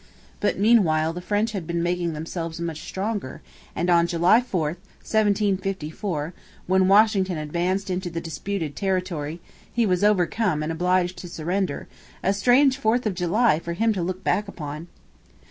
But meanwhile the French had been making themselves much stronger, and on July 4, 1754, when Washington advanced into the disputed territory, he was overcome and obliged to surrender a strange Fourth of July for him to look back upon!